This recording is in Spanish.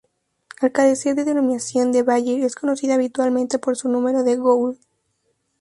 Al carecer de denominación de Bayer, es conocida habitualmente por su número de Gould.